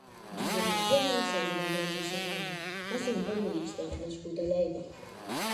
Josep Maria Francès i Ladron de Cegama va ser un periodista nascut a Lleida.